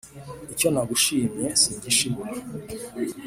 icyo nagushimye singishibura,